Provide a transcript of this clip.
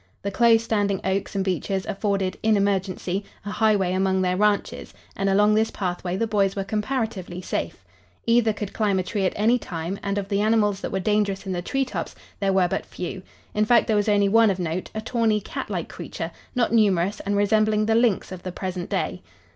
The close standing oaks and beeches afforded, in emergency, a highway among their ranches, and along this pathway the boys were comparatively safe. Either could climb a tree at any time, and of the animals that were dangerous in the treetops there were but few; in fact, there was only one of note, a tawny, cat like creature, not numerous, and resembling the lynx of the present day.